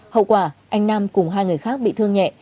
hậu quả anh nam cùng hai người khác bị thương nhẹ